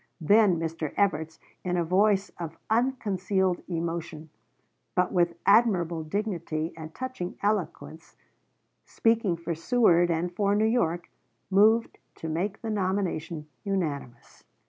Then Mr. Evarts, in a voice of unconcealed emotion, but with admirable dignity and touching eloquence, speaking for Seward and for New York, moved to make the nomination unanimous.